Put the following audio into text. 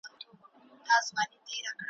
او همدغه موزونیت دی ,